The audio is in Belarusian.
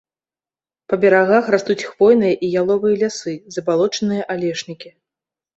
Па берагах растуць хвойныя і яловыя лясы, забалочаныя алешнікі.